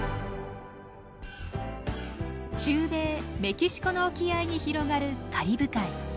中米メキシコの沖合に広がるカリブ海。